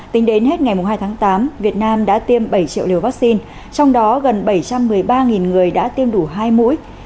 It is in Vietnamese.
tính đến hết ngày hai tháng tám việt nam đã tiêm bảy triệu liều vaccine trong đó gần bảy trăm một mươi ba người đã tiêm đủ hai mũi